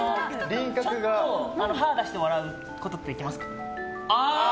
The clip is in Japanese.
歯を出して笑うことできますか。